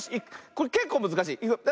これけっこうむずかしい。